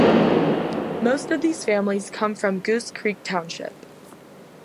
Most of these families came from Goose Creek Township.